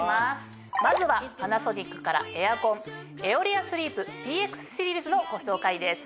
まずはパナソニックからエアコン「エオリアスリープ」ＰＸシリーズのご紹介です。